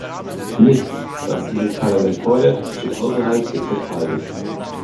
Nichts, was dieses Parlament fordert, steht außerhalb des Vertrages.